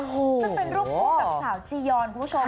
ซึ่งเป็นรูปคู่กับสาวจียอนคุณผู้ชม